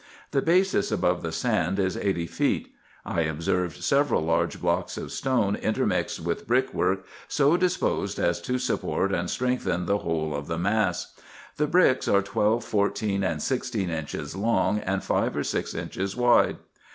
The basis above the sand is eighty feet. I observed several large blocks of stone intermixed with brick work, so disposed as to support and strengthen the whole of the mass. The bricks are twelve, fourteen, and sixteen inches long, and five or six inches wide.